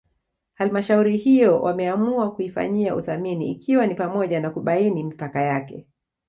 Halmshauri hiyo wameamua kuyafanyia uthamini ikiwa ni pamoja na kubaini mipaka yake